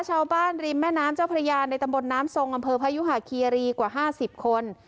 ชาวบ้านริมแม่น้ำเจ้าพระยาในตำบลน้ำทรงอำเภอพยุหาคีรีกว่า๕๐คน